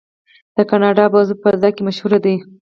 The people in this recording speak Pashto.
د کاناډا بازو په فضا کې مشهور دی.